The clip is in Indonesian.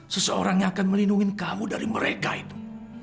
seseorang yang akan melindungi kamu dari mereka itu